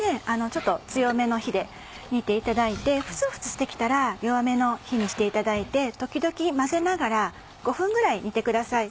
ちょっと強めの火で煮ていただいてフツフツして来たら弱めの火にしていただいて時々混ぜながら５分ぐらい煮てください。